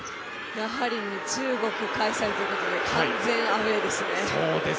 中国開催ということで完全アウェーですね。